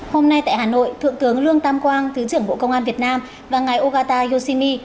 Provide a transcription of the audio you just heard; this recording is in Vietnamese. hôm nay tại hà nội thượng tướng lương tam quang thứ trưởng bộ công an việt nam và ngài ogata yoshimi